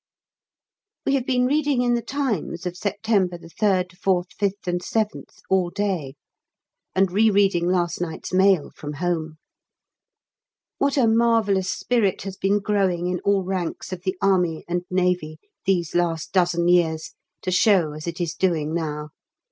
We have been reading in 'The Times' of September 3, 4, 5, and 7, all day, and re reading last night's mail from home. What a marvellous spirit has been growing in all ranks of the Army (and Navy) these last dozen years, to show as it is doing now.